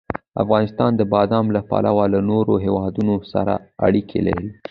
افغانستان د بادام له پلوه له نورو هېوادونو سره اړیکې لري.